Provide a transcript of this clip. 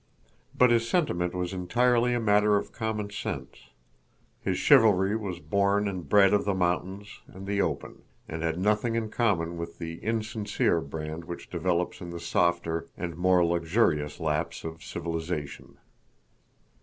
But his sentiment was entirely a matter of common sense. His chivalry was born and bred of the mountains and the open and had nothing in common with the insincere brand which develops in the softer and more luxurious laps of civilization.